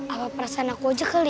apa perasaan aku aja kali